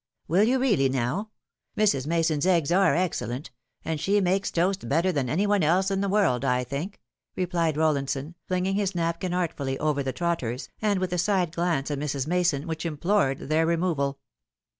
" Will you really, now ? Mrs. Mason's eggs are excellent : and she makes toast better than any one else in the world, I think," replied Rollinson, flinging his napkin artfully over the trotters, and with a side glance at Mrs. Mason which implored their removal.